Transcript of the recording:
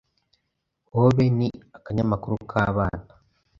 Hobe ni akanyamakuru k’abana